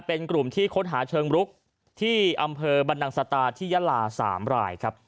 เป็นกลุ่มที่ค้นหาเชิงรุกที่อำเภอบรรนังสตาที่ยาลา๓รายครับ